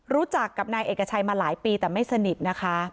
รู้จักกับนายเอกชัยมาหลายปีแต่ไม่สนิทนะคะ